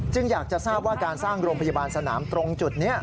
อยากจะทราบว่าการสร้างโรงพยาบาลสนามตรงจุดนี้